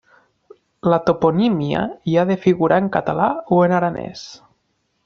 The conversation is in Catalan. La toponímia hi ha de figurar en català o en aranès.